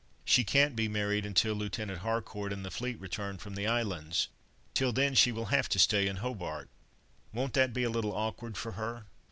"She can't be married until Lieutenant Harcourt and the fleet return from the Islands. Till then, she will have to stay in Hobart." "Won't that be a little awkward for her?